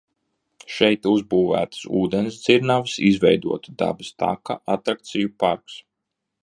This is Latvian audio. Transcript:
Šeit uzbūvētas ūdensdzirnavas, izveidota dabas taka, atrakciju parks.